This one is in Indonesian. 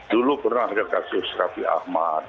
dulu pernah ada kasus raffi ahmad